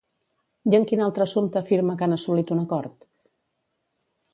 I en quin altre assumpte afirma que han assolit un acord?